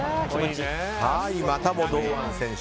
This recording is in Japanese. またも堂安選手。